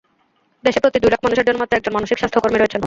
দেশে প্রতি দুই লাখ মানুষের জন্য মাত্র একজন মানসিক স্বাস্থ্যকর্মী রয়েছেন।